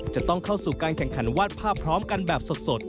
จะต้องเข้าสู่การแข่งขันวาดภาพพร้อมกันแบบสด